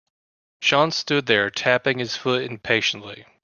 Sean stood there tapping his foot impatiently.